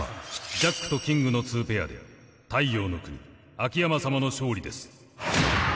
ジャックとキングの２ペアで太陽ノ国秋山さまの勝利です。